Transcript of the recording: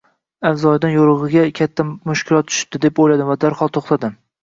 Avzoyidan yo‘rig‘iga katta mushkulot tushibdi, deb o‘yladim va darhol to‘xtadim.